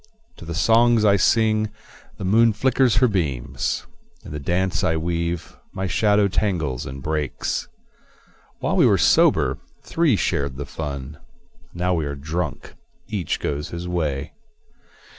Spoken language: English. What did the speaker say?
To the songs I sing the moon flickers her beams; In the dance I weave my shadow tangles and breaks. While we were sober, three shared the fun; Now we are drunk, each goes his way.